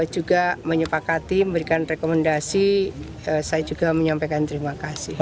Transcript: juga menyepakati memberikan rekomendasi saya juga menyampaikan terima kasih